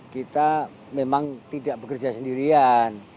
kita memang tidak bekerja sendirian